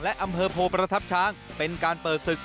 และอำเภอโพประทับช้างเป็นการเปิดศึก